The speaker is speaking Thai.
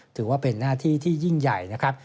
ถือว่าเป็นหน้าที่ที่ยิ่งใหญ่นะครับ